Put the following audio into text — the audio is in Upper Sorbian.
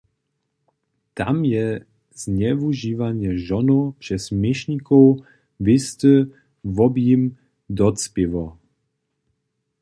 Tam je znjewužiwanje žonow přez měšnikow wěsty wobjim docpěło.